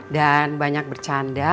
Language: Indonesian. dan banyak bercanda